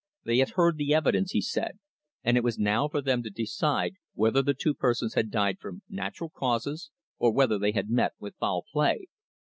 They had heard the evidence, he said, and it was now for them to decide whether the two persons had died from natural causes, or whether they had met with foul play.